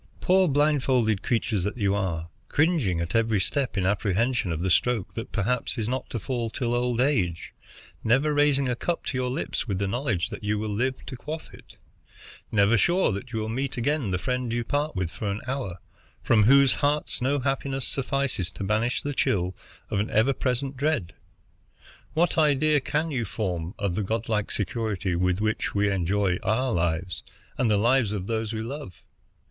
Poor blindfolded creatures that you are, cringing at every step in apprehension of the stroke that perhaps is not to fall till old age, never raising a cup to your lips with the knowledge that you will live to quaff it, never sure that you will meet again the friend you part with for an hour, from whose hearts no happiness suffices to banish the chill of an ever present dread, what idea can you form of the Godlike security with which we enjoy our lives and the lives of those we love!